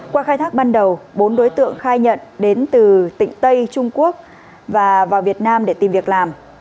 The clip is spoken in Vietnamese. qua khai thác ban đầu bốn đối tượng khai nhận đến từ tỉnh tây trung quốc và vào việt nam để tìm việc làm